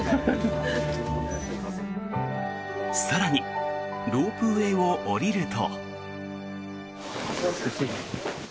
更にロープウェーを降りると。